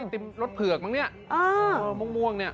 ไอติมรสเผือกมั้งนี่ม่วงนี่